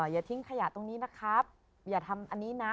อย่าทิ้งขยะตรงนี้นะครับอย่าทำอันนี้นะ